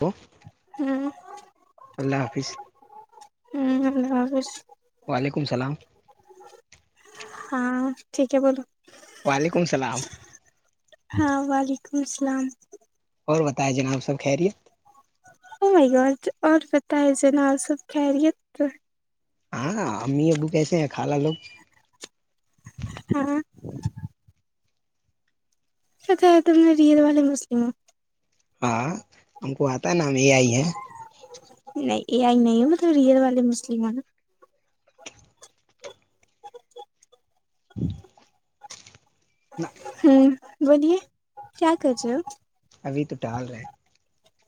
Hello ہوں اللہ حافظ ہ [inaudible] وعلیکم اللام ہاں ٹھیک ہے بولو وعلیکم اللام سلام اور بتاائے جنا آپ سب کہ رہیے ا بھ اور بتائے جنا آ سب کہہ رہیے ہاں امی ابو کیسے ہیں کالا لوگ ہاں ا تم نے ر والے مسلمموں ہاں ہم کو آ پ نام یہ آئی ہے یہ آ ہی نہیں ہے مطلب ریئر والے مسلم ہیں ن ج [inaudible] ہوں بولیے کیا کرج آپ [unintelligible] ابھی تو ٹال رہے ہیں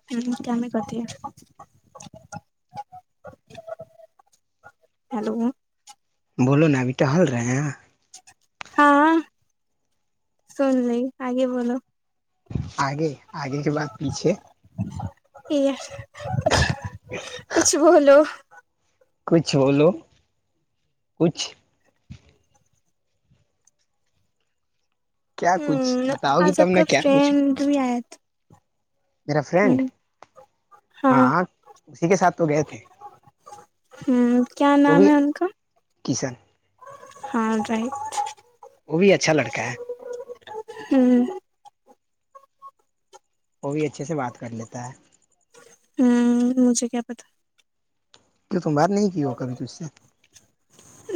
ہ کیام کت ہیلو بولو نا ابھی ٹ ہل رہے ہیں ہاں سن ل آگے بولو آگے آگے کے بعات پیچھے یہ کچھ بولو کچھ بولو کچھ کیا کچھ ہوں بتاؤ گی آج تم آپ کا نے کیا کچھ فرینڈ بھی آیا میرا تھا فرینڈ ہوں ہاں اسی کے ساتھ تو گئے تھے ہوں کیا وہ نام بھی ہے ان کا کشن ہاں رائٹ وہ بھی اچھا لڑکا ہے ہوں وہ بھی اچھے سے بات کر لیتا ہے ہوں مجھے کیا پتا کی تم بات نہیں کی ہو کبھی تج سے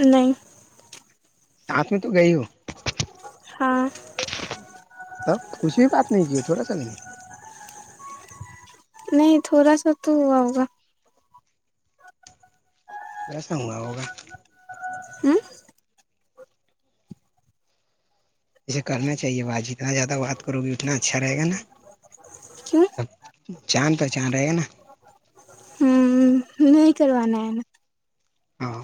نہیں سات میں تو گئی ہو ہاں اب کچھ بھی بات نہیں کی تھوڑا سا میں نے نہیں تھوڑا سا تو ہوا ہوگا تو ایسا ہوا ہوگا ہوں اسے کرنا چاہیے با جتنا زیادہ سب بات کرو بھی اتنا اچھا رہے گا نا کیوں سب جاند پہچان رہے گا نا ہ نہیں کر ن ہے ہاں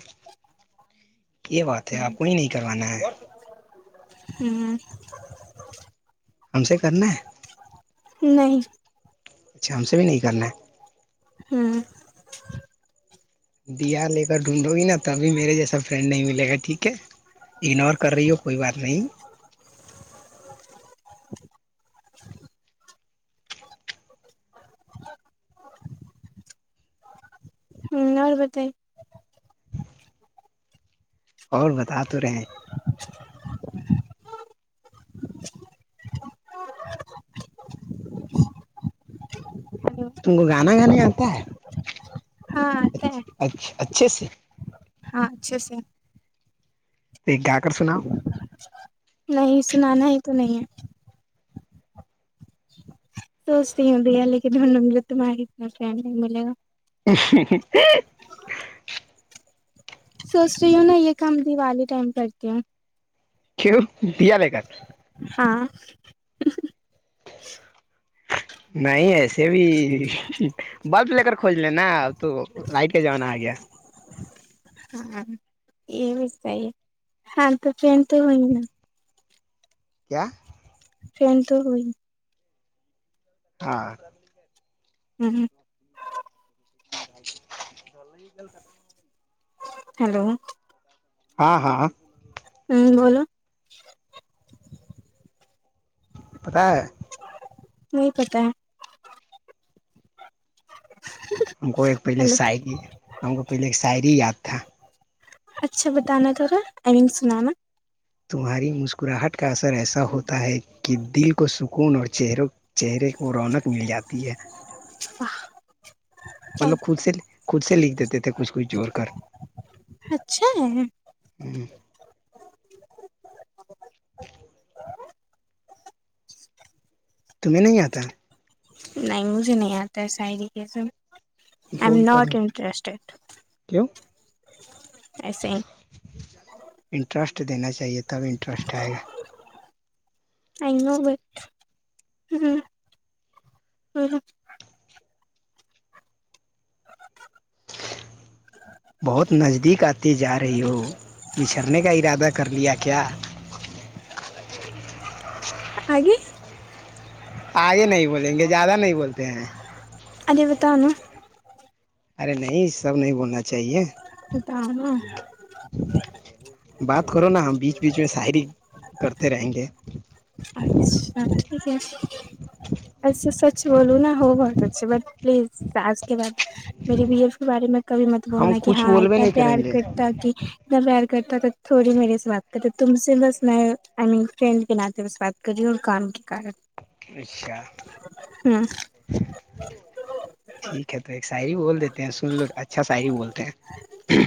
یہ بات ہے آپ کو یہ نہیں کروانا ہے ہوں ہم سے کرنا ہے نہیں اچھا ہم سے بھی نہیں کرنا ہے ہوں ڈ آر لے کر ڈھونڈو گی نا تبھی میرے جیسا فرینڈ نہیں ملے گا ٹھیک ہے اگنور کر رہی ہو کوئی بات نہیں اور بتے اور بتا تو رہے تم کو گانا گھانے آتا ہے ہاں آتا اچھ ہے اچھا اچھے سے اکچسے ایک گا کر سناؤ نہیں سنانا ہی تو نہیں ہے سوچتی ہوں بھیا لیکن ان نے مجھے تمہارے اتنا پم نہیں ملے گا سوچ رہی ہوں نا یہ کام دیوالی ٹائم کرتی کیوں ہاں نہیں ایسے بھی بلب لے کر کھج لے نا تو لائٹ کے زمانہ آ گیا یے ہاں تو پین تو ہوئی نا کیا فین تو ہوئی ہاں ہوں ک [inaudible] ہلو ہاں ہاں ہوں بولو پت ہے [unintelligible] وہی پتہ ہے ج ہم کو ایک پہلے شاعری ہم کو پہلے ایک شاعری یاد تھا اچھا بتانا را آئی مینگ سنانا تمہاری مسکراہٹ کا اثر ایسا ہوتا ہے کہ دل کو کو سکون اور چہروں چہرے کو رونق مل جاتی ہے و مطلب کلصل خود سے لکھ دیتے تھے کچھ کچھ جوور کر اچھا تمہیں نہیں آتا نہیں مجھے نہیں آتا ہے ساعری کیسے آئی سیکھو ایم گی تب ناٹ انٹرسٹیڈ کیوں ایسے ہی انٹرسٹ دینا چاہیے تب انٹرسٹ آئے گا ا بی ہ ہ [unintelligible] بہت نزدیک آتی جا رہی ہو بچھھرنے کا ارادہ کر لیا کیا آگے آگے نہیں بولیں گے زیادہ نہیں بولتے ہیں ا بتا ن ارے نہیں سب نہیں بولنا چاہیے [unintelligible] بات کرو نا ہم بیچ بیچ میں شاعری کرتے رہیں گے اچھ ٹھیک ہے اچھا سچ بولوں نا ہو بہت اچھے بٹ پلیز اج کے بعد میری بی لایف کے بارے میں کبھی مت ہم بولنا کہ کچھ ہاں بولوے اتنا نہیں پیار کریں گے کرتا کہ اتنا پیار کرتا تھوڑی میرے سے بات کر تم سے بس میں آئی مین فرینڈ کے ناتے بس بات کر کریی اور کام کی کارن اچھا ہوں ٹھیک ہے تو ایک شاعری بول دیتے ہیں سن لو اچھا شاعری بولتے ہیں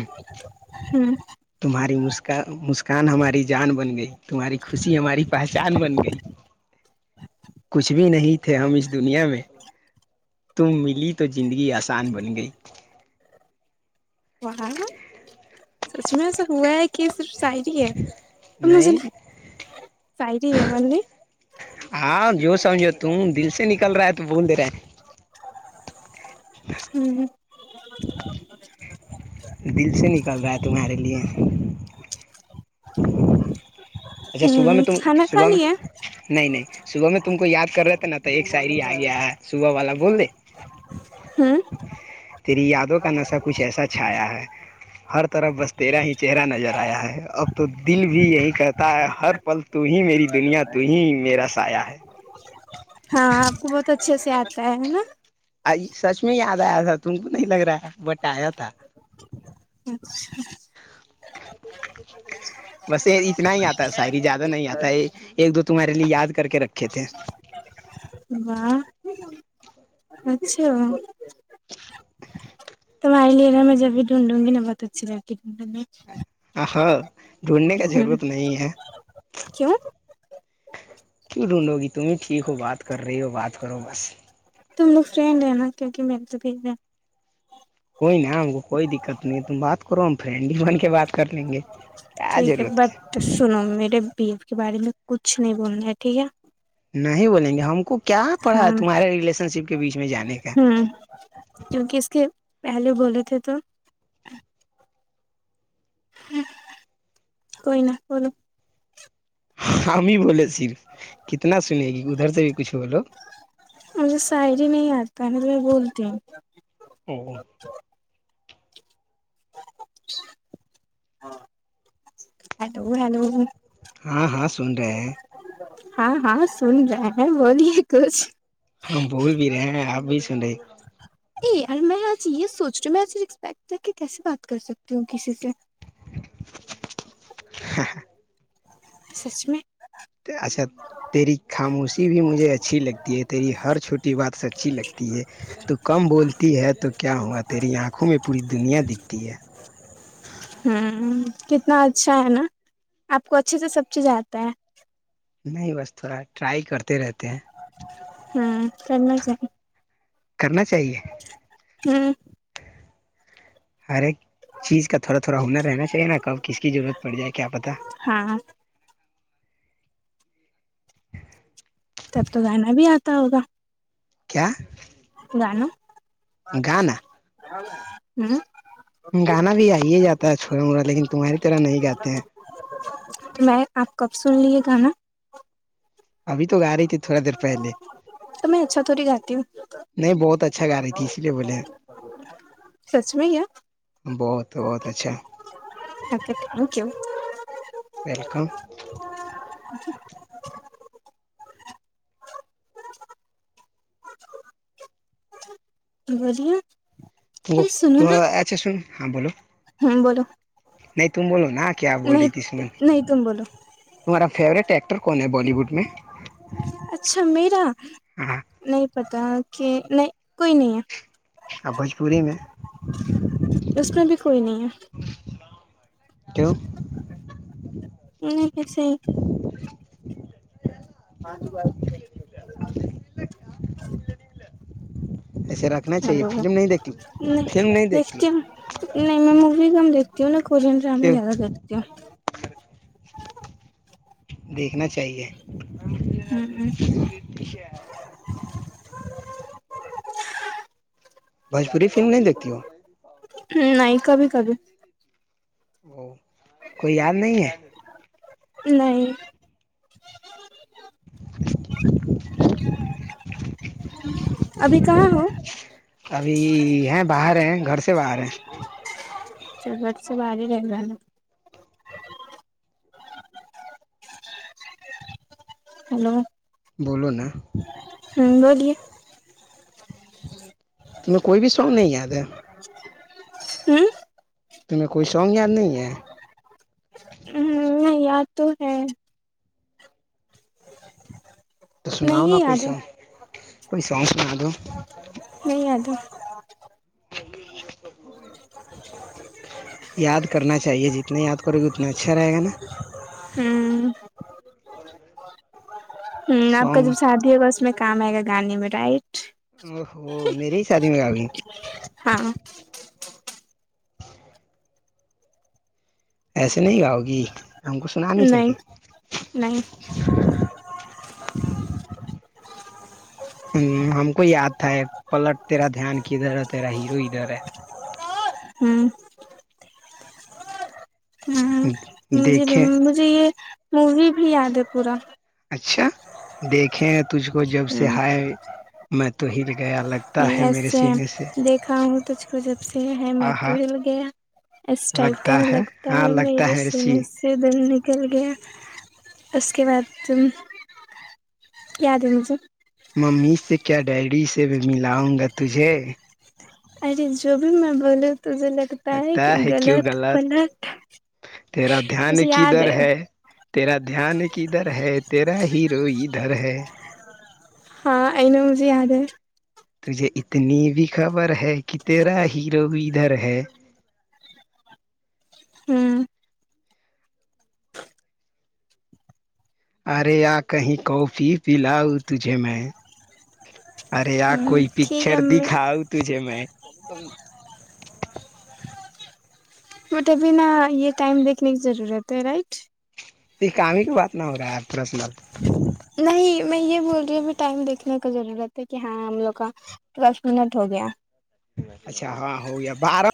ہمم تمہاری مسکان مسکان ہماری جان بن گئی تمہاری خوشی ہماری پہچان بن گئی کچھ بھی نہیں تھے ہم اس دنیا میں تم ملی تو زندگی آسان بن گئی وہاں سچ میں ایسا ہوا ہے کہ صرف سائڈ ہی ہے اور مجھے نہیں [unintelligible] ہاں جو سمجھو تم دل سے نکل رہا ہے تو بول دے رہے ہمم دل سے نکل رہا ہے تمہارے لیے اچھا صبح میں ہ تم کھانا کھا صبح میں لیا نہیں نہیں صبح میں تم کو یاد کرہے تھے نہ تو ایک ساعری آ گیا ہے صبح والا بول دے ہوں ترییاد [inaudible] کا نسا کچھ ایسا چھایا ہے ہر طرف بس تیرا ہی چہرہ نظر آیا ہے اب تو دل بھی یہی کا ہے ہر پل ت ہی میری دنیا ت ہی میرا سایا ہے ہاں آپ کو بہت اچھے سے آتا ہے نا سچ میں یاد آیا تھا تم کو نہیں لگ رہا ہے بٹ آیا تھا چ ا بس یہ اتنا ہی آتا ہے شاعری زیادہ نہیں آتا ہے ایک دو تمہارے لیے یاد کر کے رکھے تھے واہ اچھا تماراری لےینا میں جب بھی ڈھونڈوں گی نا بہت اچھی لگتی ہے ڈھونڈوں گ میں ااں ڈھونڈنے کا ضرورت نہیں ہے کیوں کیوں ڈھونڈو گی تم ہی ٹھیک ہو بات کر رہی ہو بات کرو بس تم لوگ فرینڈ ہیں نا کیونکہ میرے تو بھیج ہے کوئی نا ہم کو کوئی دقت نہیں تم بات کرو ہم فرینڈلی بن کے بات کر لیں گے کیا ہے ٹھیک ضرورت کی بٹ سنو میرے بیف کے بارے میں کچھ نہیں بولنا ٹھیک ہے نہیں بولیں گے ہم کو کیا ہ پڑھا تمہارے ریلیشن شپ کے بیچ میں جانے کا ہوں کیونکہ اس کے پہلو بولے تھے تو کوئی ن بولو ہمیں بس ص کتنا سنے گی ادھر سے بھی کچھ بولو کہ نے ت میں بولتی ہوں او ہیلو ہیلو ہاں ہاں سن رہے ہیں ہاں ہاں سن رہئے ہیں بولیے کچھ ہم بھول بھی رہے ہیں آپ بھی چڈے یار میں آج یہ سوچ رہی ہوں آج رسپیکٹ کہ کیسے بات کر سکتی ہوں کسی سے ہ سچ میں اچھا تیری خاموشی بھی مجھے اچھی لگتی ہے تیری ہر چھوٹی بات سے اچھی لگتی ہے تو کم بولتی ہے تو کیا ہوا تیری آنکھوں میں پوری دنیا دکھتی ہے ہوں کتنا اچھا ہے نا آپ کو اچھے سے سب چیزیں آتا ہے نہیں بس تھڑا رائی کرتا ہاں کرنا چ ہے کرنا چاہیے ہوں ہر ایک چیز کا تھوڑا تھوڑا ہونار رہنا چاہیے نا کب کس کی ضرورت پڑ جائے کیا پتا ہاں تب تو گانا بھی آتا ہوگا کیا جانو گانا ہاں ہوں گانا بھی آئیے جاتا ہے چھوٹا موٹا لیکن تمہاری طرح نہیں گاتے ہیں ک نا ابھی تو گا رہی تھی تھوڑا دیر پہلے تو میں اچھا تھوڑی گاتی ہوں نہیں بہت اچھا گا رہی تھی اس لیے بولے سچ میں کیا بہت تو بہت اچھا اچھا تھینک یو ویلکم اچھا [unintelligible] بلییا اچھا سن ہاں بولو ہوں بولو نہیں تم بولو کیا بول نہیں رہی ت اسمن نہیں تم بولو تمہارا فیورٹ ایکٹر کون ہے بالی وڈ میں اچھا میرا نہیں ہاں پتا کہ نہیں کوئی نہیں ہے اور بھوجپوری میں اس میں بھی کوئی نہیں ہے کیوں نہیں کیسے پانی ب ایسے رکھنا چاہیے ہلو فلم نہیں دیکھتی ہو؟ فلم نہیں دیکھتی نٹ ہو بھی ہمم دیکتی ہوں کو پورنریں کیوں زیادہ دیکتیوں دیکھنا چاہیے ہ ہ [unintelligible] بھوجپوری فلم نہیں دیکھتی وہ ہ نہیں کبھی کبھی او کوئی یاد نہیں ہے نہیں ابھی کہاں ہو ابھی ہے باہر ہیں گھر سے باہر ہے سورت سے باز ہی رہ رہا نا ہلو بولو نا ہوں بولیے تمہیں کوئی بھی سونگ نہیں یاد ہے ہوں تم کوئی سوگان نہیں ہے نہیں یاد تو ہے تو سناؤ نہیں نا کوئی یاد ہے سب ائی سنگس میں دو [unintelligible] یاد کرنا چاہیے جتنا یاد کرو گے اتنا اچھا رہے گا نا [unintelligible] ہوں آپ کا سانگ جب شادی ہوگا اس اس میں کام آئے گا گانے میں رائٹ او میری ہی شادی میں آ گئی ہاں ایس [unintelligible] نہیں گاؤ گی ہم کو سنا نہیں سکتی نہیں ہ ہم کو یاد تھا پلٹ تیرا دھیان ادھر ہے تیرا ہیرو ادھر ہے ھمم ہ مجے دیکھیں مجھے یہ مووی بھی یاد ہے پورا اچھا دیکھیں تجھ کو جب ہ سے نہیں ہائے میں تو ہ رہ ایسے ہیں دیکھا ہوں تو [unintelligible] [inaudible] پز [unintelligible] س ہے میں آ تو ہاں مل گیا اس ٹائپ کا لگتا لگتا ہاں ہے لگتا میرے ہے رسی سینے سے دل [unintelligible] چل گیا اس کے بعد ت یاد ہے مجھے [unintelligible] ممی سے کیا ڈیری سے میں ملاؤں گا تجھے [unintelligible] ا جبی میں بلے [unintelligible] لگتا ہے کیوں غلط پلٹ تیرا دھیان مجھے کی یاد در ہے تیرا دھیان کی دھر ہے تیرا ہی ادھر ہے ہاں ا ن مجھے یاد ہے تجھے اتنی بھی خبر ہے کہ تیرا ہیرو ادھر ہے ہوں ارے کہیں کافی پلاؤ تجھے میں ارے ہوں کوئی ٹھیک ہے پکچر امی دکھات میں مٹے بنا یہ ٹائم دیکھنے کی ضرورت ہے رائٹ یہ کام ہی کی بات نہ ہو رہا ہے آ پرسنل نہیں میں یہ بول رہی ہوں کہ ٹائم دیکھنے کا ضرورت ہے کہ ہاں ہم لوگ کا دس منٹ ہو گیا اچھا ہاں ہو گیا بارہ